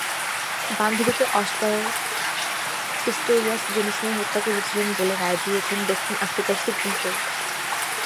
বান্ধবীকে Oscar Pistorius জেনেশুনেই হত্যা করেছিলেন বলে রায় দিয়েছেন দক্ষিণ আফ্রিকার সুপ্রিম কোর্ট।